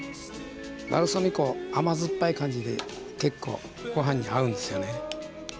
バルサミコ甘酸っぱい感じで結構ご飯に合うんですよね。